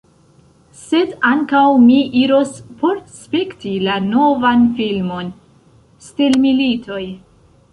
Sed ankaŭ mi iros por spekti la novan filmon, stelmilitoj